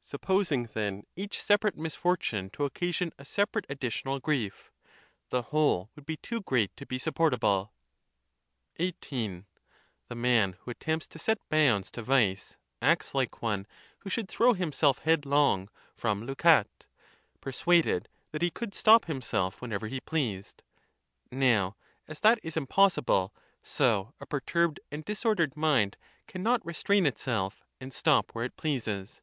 Supposing, then, each separate misfortune to occasion a separate additional grief, the whole would be too great to be supportable. XVIII. The man who attempts to set bounds to vice acts like one who should throw himself headlong from Leucate, persuaded that he could stop himself whenever he pleased. Now, as that is impossible, so a perturbed and disordered mind cannot restrain itself, and stop where it pleases.